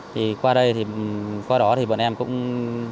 thì qua đây qua đó thì bọn em cũng